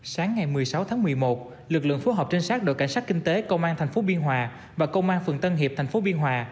sáng ngày một mươi sáu tháng một mươi một lực lượng phối hợp trinh sát đội cảnh sát kinh tế công an tp biên hòa và công an phường tân hiệp tp biên hòa